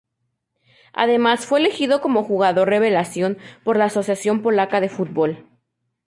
Además fue elegido como jugador revelación por la Asociación Polaca de Fútbol.